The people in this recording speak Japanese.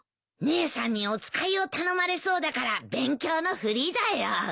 姉さんにお使いを頼まれそうだから勉強のふりだよ。